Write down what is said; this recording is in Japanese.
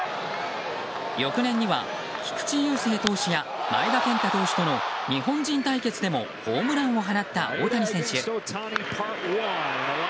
翌年には、菊池雄星投手や前田健太投手との日本人対決でもホームランを放った大谷選手。